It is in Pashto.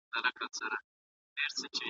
کتابونه د هیلې د ژوند یوازینۍ شتمني وه.